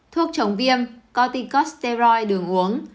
thuốc chống viêm corticosteroid đường uống